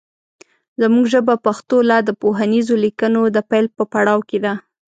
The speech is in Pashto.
زمونږ ژبه پښتو لا د پوهنیزو لیکنو د پیل په پړاو کې ده